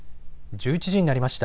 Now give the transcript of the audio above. １１時になりました。